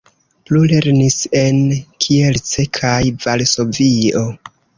Plu lernis en Kielce kaj Varsovio.